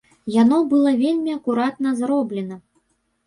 Яно было вельмі акуратна зроблена.